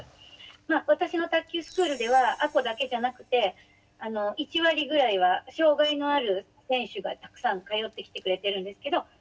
私の卓球スクールでは亜子だけじゃなくてあの１割ぐらいは障害のある選手がたくさん通ってきてくれてるんですけど。